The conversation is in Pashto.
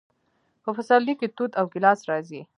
په پسرلي کې توت او ګیلاس راځي.